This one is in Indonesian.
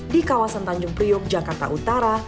di kawasan tanjung priuk jakarta utara